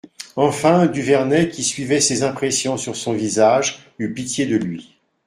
Enfin Duvernet, qui suivait ses impressions sur son visage, eut pitié de lui.